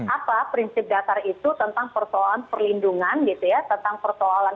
apa prinsip dasar itu tentang persoalan perlindungan gitu ya tentang persoalan